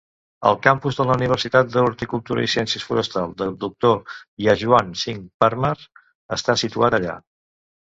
El campus de la Universitat de Horticultura i Ciències Forestals de Doctor Yashwant Singh Parmar està situat allà.